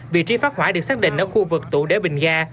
vị trí phát hỏa được xác định ở khu vực tụ để bình ga